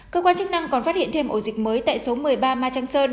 cơ quan chức năng còn phát hiện thêm ổ dịch mới tại số một mươi ba ma chanh sơn